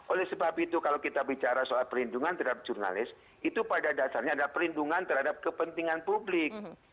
oleh sebab itu kalau kita bicara soal perlindungan terhadap jurnalis itu pada dasarnya adalah perlindungan terhadap kepentingan publik